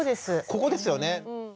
ここですよね。